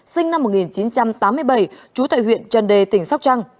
sinh năm một nghìn chín trăm tám mươi bảy trú tại huyện trần đề tỉnh sóc trăng